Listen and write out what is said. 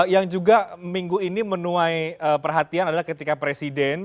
yang juga minggu ini menuai perhatian adalah ketika presiden